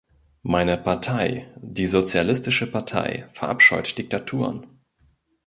Meine Partei, die Sozialistische Partei, verabscheut Diktaturen.